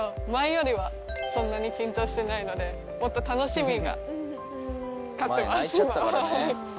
前よりはそんなに緊張してないのでもっと楽しみが勝ってます。